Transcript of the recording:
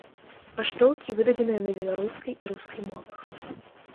Паштоўкі выдадзеныя на беларускай і рускай мовах.